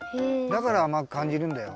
だからあまくかんじるんだよ。